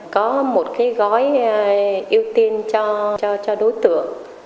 có một gói ưu tiên cho đối tượng